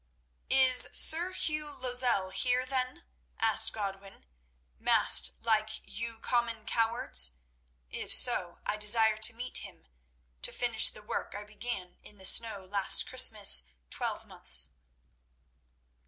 "Is Sir Hugh Lozelle here then?" asked Godwin, "masked like you common cowards? If so, I desire to meet him, to finish the work I began in the snow last Christmas twelvemonths."